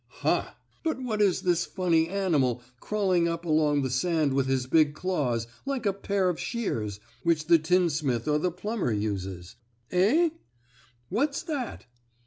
Ha! But what is this funny animal crawling up along the sand with his big claws like a pair of shears which the tinsmith or the plumber uses? Eh? What's that?